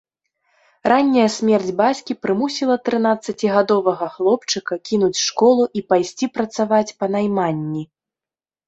Ранняя смерць бацькі прымусіла трынаццацігадовага хлопчыка кінуць школу і пайсці працаваць па найманні.